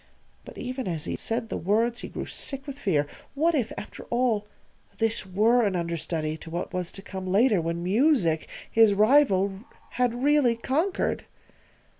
But even as he said the words he grew sick with fear. What if, after all, this were an understudy to what was to come later when Music, his rival, had really conquered?